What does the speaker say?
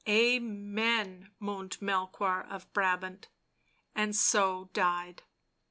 " Amen," moaned Melchoir of Brabant, and so died.